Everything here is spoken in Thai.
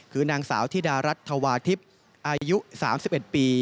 คือนางสาวธิดารัฐธวาทิพย์อายุ๓๑ปี